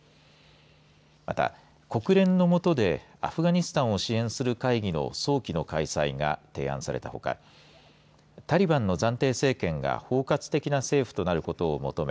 また国連のもとでアフガニスタンを支援する会議の早期の開催が提案されたほかタリバンの暫定政権が包括的な政府となることを求め